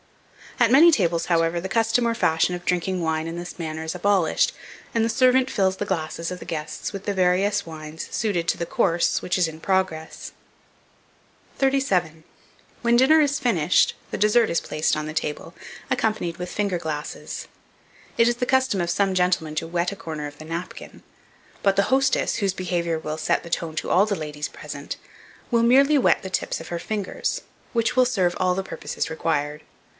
At many tables, however, the custom or fashion of drinking wine in this manner, is abolished, and the servant fills the glasses of the guests with the various wines suited to the course which is in progress. 37. WHEN DINNER IS FINISHED, THE DESSERT is placed on the table, accompanied with finger glasses. It is the custom of some gentlemen to wet a corner of the napkin; but the hostess, whose behaviour will set the tone to all the ladies present, will merely wet the tips of her fingers, which will serve all the purposes required.